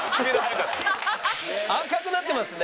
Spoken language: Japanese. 赤くなってますね。